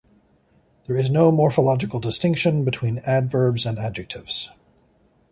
There is no morphological distinction between adverbs and adjectives.